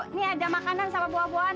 ini ada makanan sama buah buahan